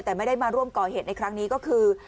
แต่ไม่ได้มาร่วมก่อเหตุในครั้งนี้ก็คือ